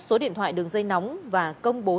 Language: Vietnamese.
số điện thoại đường dây nóng và công bố